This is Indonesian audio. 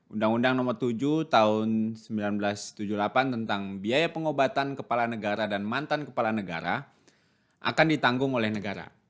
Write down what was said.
undang undang nomor tujuh tahun seribu sembilan ratus tujuh puluh delapan tentang biaya pengobatan kepala negara dan mantan kepala negara akan ditanggung oleh negara